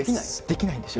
できないんです。